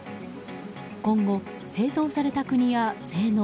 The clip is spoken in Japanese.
今後、製造された国や性能